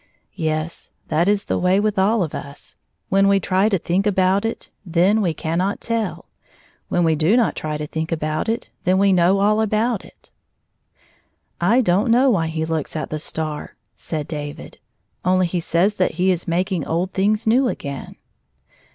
Yes ; that is the way with all of us — when we try to think about it, then we cannot teU ; when we do not try to think about it, then we know all , about it. "I don't know why he looks at the star," said David. " Only he says that he is mak ing old things new again."